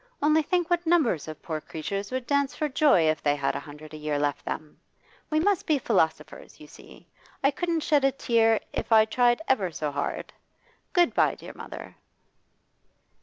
Only think what numbers of poor creatures would dance for joy if they had a hundred a year left them! We must be philosophers, you see. I couldn't shed a tear if I tried ever so hard. Good bye, dear mother!